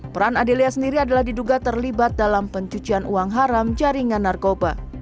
peran adelia sendiri adalah diduga terlibat dalam pencucian uang haram jaringan narkoba